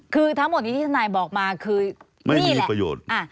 คือทั้งหมดนี้ที่ทนายบอกมาคือไม่มีประโยชน์